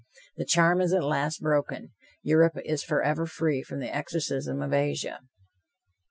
The charm is at last broken. Europe is forever free from the exorcism of Asia.